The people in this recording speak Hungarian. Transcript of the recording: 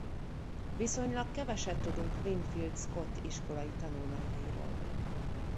Viszonylag keveset tudunk Winfield Scott iskolai tanulmányairól.